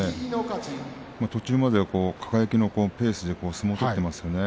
途中までは輝のペースで相撲を取っていますね。